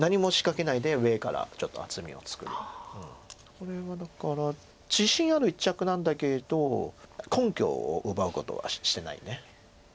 これはだから自信ある一着なんだけれど根拠を奪うことはしてない。